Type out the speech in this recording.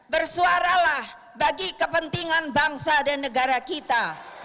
bersuaralah bagi kepentingan bangsa dan negara kita